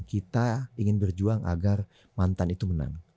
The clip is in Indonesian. kita ingin berjuang agar mantan itu menang